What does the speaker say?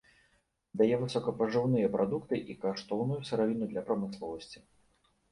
Дае высокапажыўныя прадукты і каштоўную сыравіну для прамысловасці.